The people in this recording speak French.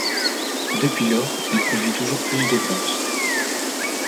Depuis lors, il produit toujours plus de bronzes.